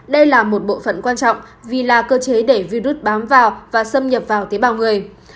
đây là một bộ phận quan trọng vì là cơ chế để virus bám vào và xâm nhập vào tế bào người